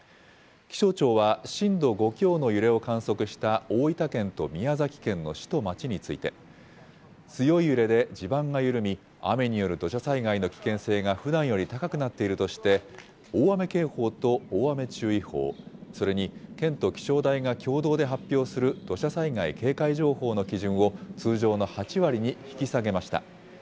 気象庁は、震度５強の揺れを観測した大分県と宮崎県の市と町について、強い揺れで地盤が緩み、雨による土砂災害の危険性がふだんより高くなっているとして、大雨警報と大雨注意報、それに県と気象台が共同で発表する土砂災害警戒情報の基準を、通常の８割に引き下げました。